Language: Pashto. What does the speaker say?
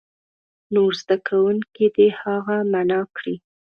نور زده کوونکي دې هغه معنا کړي.